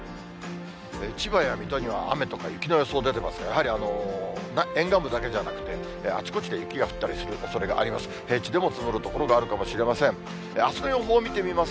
千葉や水戸には雨とか雪の予想出てますから、やはり沿岸部だけじゃなくて、あちこちで雪が降ったりするおそれがあります。